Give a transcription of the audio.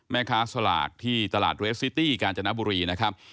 แม่ค้าสลากที่ตลาดเรสซิตี้กาญจนบุรีนะครับ